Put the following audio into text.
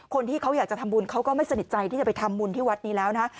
คนที่เขาอยากจะทำบุญเขาก็ไม่สนิทใจที่จะไปทำบุญที่วัดนี้แล้วนะ